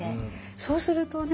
そうするとね